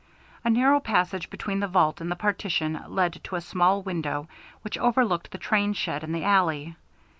A narrow passage between the vault and the partition led to a small window which overlooked the train shed and the alley.